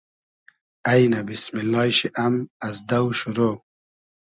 اݷنۂ بیسمیللای شی ام از دۆ شورۆ